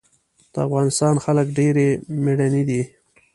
د افغانستان خلک ډېر مېړني دي.